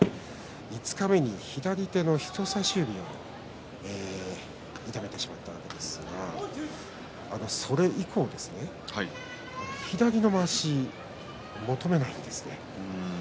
五日目に左手の人さし指を痛めてしまったわけですがそれ以降ですね、左のまわし求めないんですよね。